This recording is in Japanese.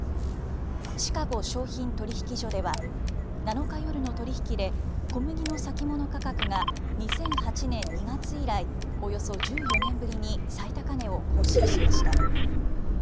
シカゴ商品取引所では、７日夜の取り引きで、小麦の先物価格が２００８年２月以来およそ１４年ぶりに最高値を更新しました。